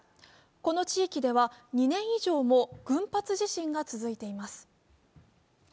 この地域では２年以上も群発地震が続いています